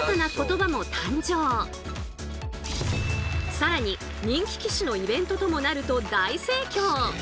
さらに人気棋士のイベントともなると大盛況。